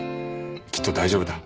きっと大丈夫だ。